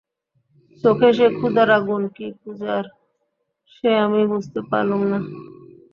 চোখে সে ক্ষুধার আগুন কি পূজার সে আমি বুঝতে পারলুম না।